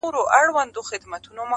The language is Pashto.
چلېدل یې په مرغانو کي امرونه!